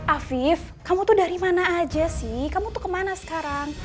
afif kamu tuh dari mana aja sih kamu tuh kemana sekarang